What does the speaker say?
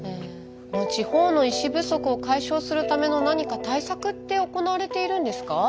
地方の医師不足を解消するための何か対策って行われているんですか？